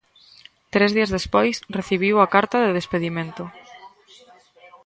Tres días despois recibiu a carta de despedimento.